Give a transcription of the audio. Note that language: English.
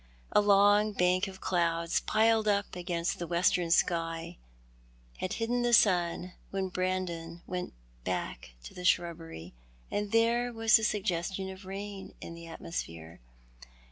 A long bank of clouds piled uj) against the western sky had hidden the sun when Brandon went back to the shrubbery, and there was the suggestion of rain in the atmosphere.